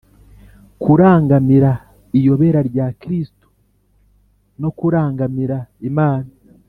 kurangamira iyobera rya kristu no kurangamira imana